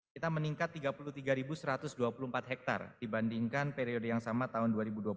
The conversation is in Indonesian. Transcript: kita meningkat tiga puluh tiga satu ratus dua puluh empat hektare dibandingkan periode yang sama tahun dua ribu dua puluh satu